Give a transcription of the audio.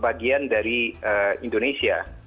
bagian dari indonesia